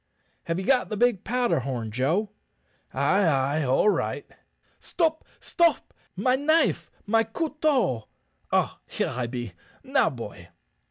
"Have ye got the big powder horn, Joe?" "Ay, ay, all right." "Stop! stop! my knife, my couteau. Ah, here I be! Now, boy."